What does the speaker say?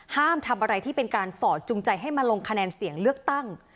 ห้ามทำอะไรที่เป็นการสอดจุงใจให้มาลงคะแนนเสียงเลือกตั้ง